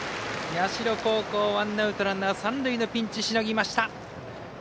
社高校、ワンアウト、ランナー三塁のピンチしのぎました。